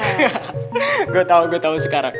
saya tahu saya tahu sekarang